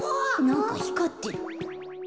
なんかひかってる。